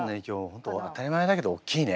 本当当たり前だけどおっきいね。